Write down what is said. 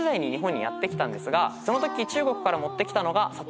そのとき中国から持ってきたのがさとうきび。